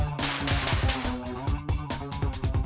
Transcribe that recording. aduh aduh aduh aduh